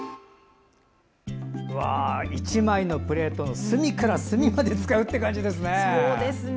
１枚のプレート隅から隅まで使うって感じですね。